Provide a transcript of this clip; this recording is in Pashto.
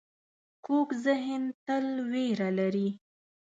کوږ ذهن تل وېره لري